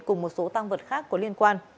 cùng một số tăng vật khác có liên quan